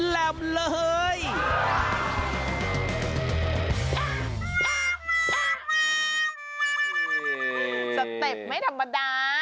สเต็ปไม่ธรรมดา